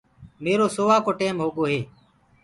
ميرو سووآ ڪو ٽيم هوگو هي